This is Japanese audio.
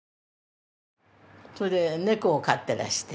それで猫を飼ってらして。